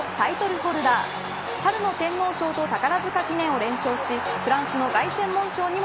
ホルダー春の天皇賞と宝塚記念を連勝しフランスの凱旋門賞にも